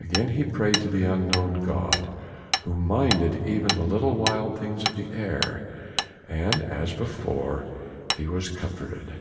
Again he prayed to the unknown God who minded even the little wild things of the air, and as before he was comforted.